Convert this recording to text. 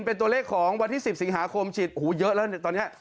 เป็นตัวเลขของวันที่๑๐สิงหาคมฉีดหูเยอะแล้วตอนนี้